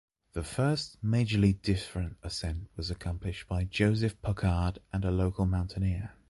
The first majorly different ascent was accomplished by Joseph Poccard, a local mountaineer.